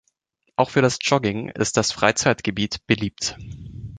Auch für Jogging ist das Freizeitgebiet beliebt.